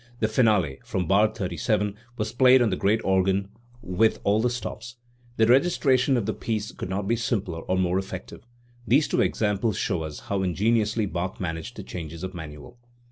The finale, from bar 37, was played on the great organ with all the stops, The registration of the piece could not be simpler or more effective. These two examples show us how in geniously Bach managed the changes of manual.